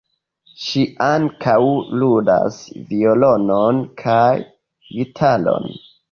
Ŝi ankaŭ ludas violonon kaj gitaron.